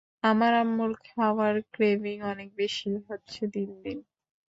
আমার আম্মুর খাওয়ার ক্রেভিং অনেক বেশি হচ্ছে দিন দিন।